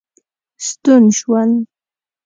ستون شول.